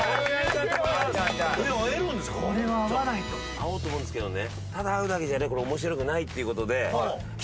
会おうと思うんですけどね。